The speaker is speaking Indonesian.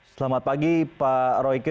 selamat pagi pak royke